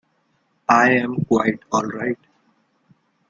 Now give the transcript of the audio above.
I'm quite all right.